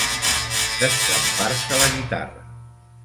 Destrempar-se la guitarra.